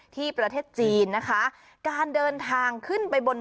ประเทศจีนนะคะการเดินทางขึ้นไปบน